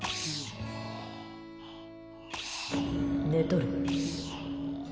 寝とる。